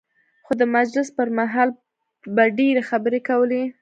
خو د مجلس پر مهال به ډېرې خبرې کولې.